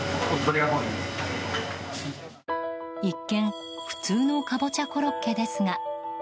一見、普通のカボチャコロッケですが。